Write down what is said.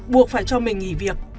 buộc phải cho mình nghỉ việc